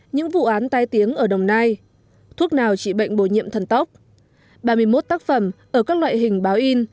những vụ án tai tiếng ở đồng nai thuốc nào trị bệnh bồi nhiệm thần tóc ba mươi một tác phẩm ở các loại hình báo in